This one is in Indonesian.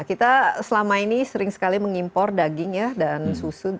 kita selama ini sering sekali mengimpor dagingnya dan susu di negara